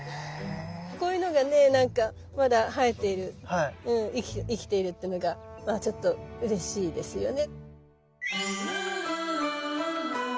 こういうのがねまだ生えている生きているっていうのがまあちょっとうれしいですよね。